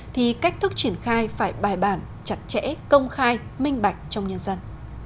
thì cách thức triển khai phải bài bản chặt chẽ công khai minh bạch trong nhân dân